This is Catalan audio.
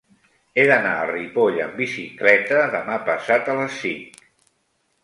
He d'anar a Ripoll amb bicicleta demà passat a les cinc.